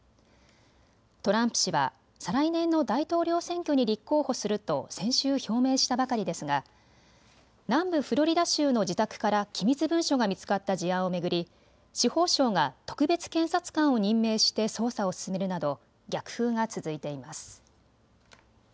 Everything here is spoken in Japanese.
トランプ氏は再来年の大統領選挙に立候補すると先週、表明したばかりですが南部フロリダ州の自宅から機密文書が見つかった事案を巡り司法省が特別検察官を任命して捜査を進めるなど逆風が続いています。